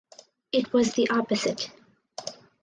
It was the opposite.